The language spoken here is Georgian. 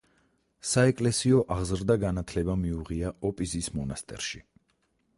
საეკლესიო აღზრდა-განათლება მიუღია ოპიზის მონასტერში.